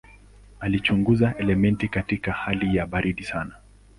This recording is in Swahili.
Alichunguza elementi katika hali ya baridi sana.